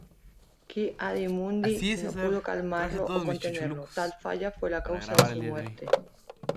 Ki-Adi-Mundi, no pudo calmarlo o contenerlo, tal falla fue la causa de su muerte.